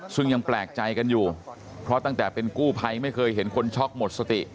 ซึ่งยังแปลกใจกันอยู่เพราะตั้งแต่เป็นกู้ภัยไม่เคยเห็นคนช็อกหมดสติ